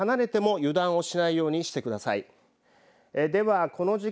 中心から少し離れても油断をしないようにしてください。